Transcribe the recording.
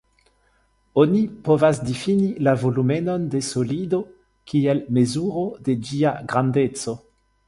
Oni povas difini la volumenon de solido kiel mezuro de ĝia grandeco.